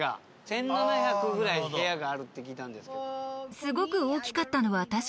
１７００ぐらい部屋があるって聞いたんですけど。